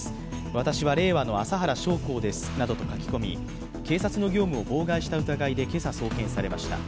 私は令和の麻原彰晃ですなどと書き込み、警察の業務を妨害した疑いで今朝送検されました。